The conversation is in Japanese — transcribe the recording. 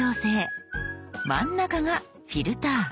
真ん中が「フィルター」。